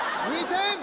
２点！